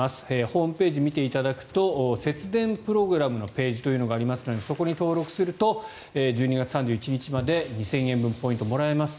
ホームページを見ていただくと節電プログラムのページがあるのでそこに登録すると１２月３１日まで２０００円分ポイントがもらえます。